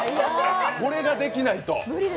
これができないと。